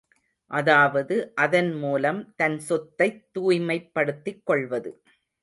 அதாவது அதன் மூலம் தன் சொத்தைத் தூய்மைப் படுத்திக் கொள்வது.